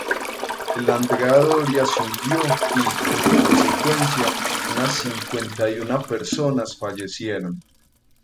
El "Andrea Doria" se hundió y, como consecuencia, unas cincuenta y una personas fallecieron.